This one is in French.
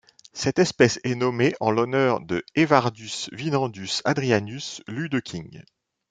Cette espèce est nommée en l'honneur de Evardus Winandus Adrianus Ludeking.